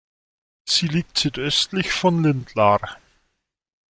Sie liegt südöstlich von Lindlar.